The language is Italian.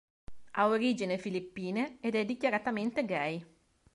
Ha origini filippine ed è dichiaratamente gay.